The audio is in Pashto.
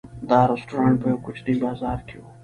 دا رسټورانټ په یوه کوچني بازار کې و.